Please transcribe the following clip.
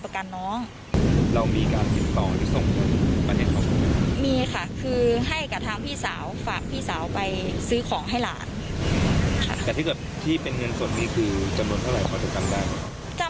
บางที๔๐๐๕๐๐มากสุดก็๑๐๐๐บาท